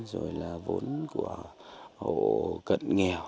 rồi là vốn của hộ cận nghề